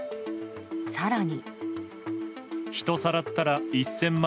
更に。